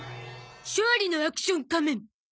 「勝利のアクション仮面」。